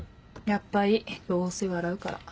やっぱいいどうせ笑うから。